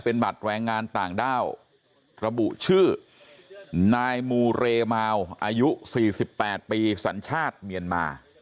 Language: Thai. เป็นบัตรแรงงานต่างด้าวระบุชื่อนายมูเรมาวอายุ๔๘ปีสัญชาติเมียนมา